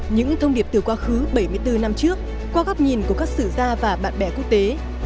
những thông điệp từ quá khứ bảy mươi bốn năm trước qua góc nhìn của các sử gia và bạn bè quốc tế